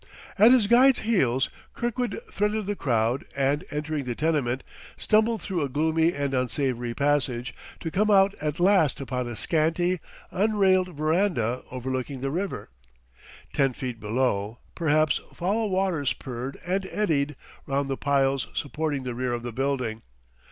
At his guide's heels Kirkwood threaded the crowd and, entering the tenement, stumbled through a gloomy and unsavory passage, to come out at last upon a scanty, unrailed veranda overlooking the river. Ten feet below, perhaps, foul waters purred and eddied round the piles supporting the rear of the building.